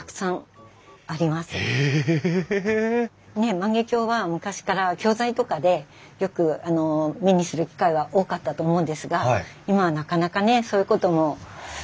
万華鏡は昔から教材とかでよく目にする機会は多かったと思うんですが今はなかなかねそういうこともないので。